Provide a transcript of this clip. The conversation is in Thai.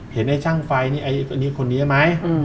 เห็นไอ้ช่างไฟนี่อันนี้คนนี้ไหม